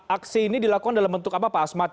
aksi ini dilakukan dalam bentuk apa pak asmat